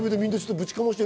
ぶちかましてよ。